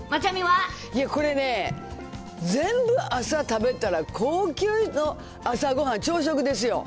これね、全部、朝食べたら高級な朝ごはん、朝食ですよ。